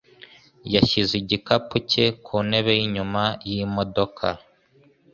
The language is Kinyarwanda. yashyize igikapu cye ku ntebe yinyuma yimodoka.